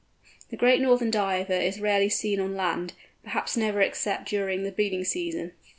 The Great Northern Diver is rarely seen on land, perhaps never except during the breeding season.